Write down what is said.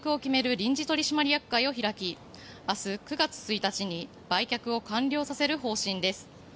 臨時取締役会を開き明日９月１日に売却を完了させる方針です。